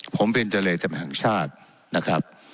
ผมเป็นเจรจำแห่งชาตินะครับ